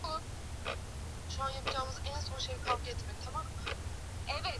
Pierce mwaka elfu moja mia tisa arobaini na tano na baadae mwaka huohuo alimaliza